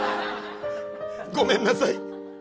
ごめんなさい。